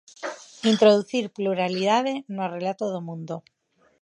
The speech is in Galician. Introducir pluralidade no relato do mundo.